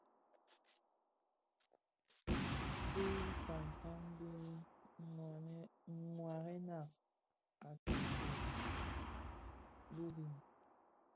Bi bitamtam dhi waarèna a tsog ki birim.